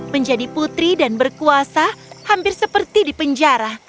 menjadi putri dan berkuasa hampir seperti di penjara